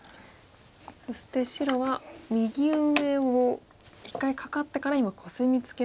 そして白は右上を一回カカってから今コスミツケましたね。